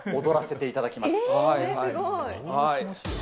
踊らせていただきます。